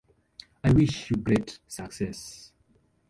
I wish you great success.